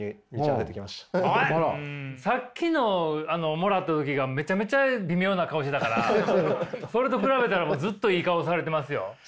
さっきのもらった時がめちゃめちゃ微妙な顔してたからそれと比べたらもうずっといい顔されてますよ。